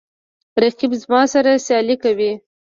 رقیب زما سره سیالي کوي